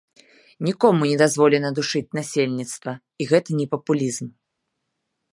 Нікому не дазволена душыць насельніцтва, і гэта не папулізм.